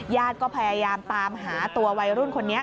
ญาติก็พยายามตามหาตัววัยรุ่นคนนี้